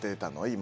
今。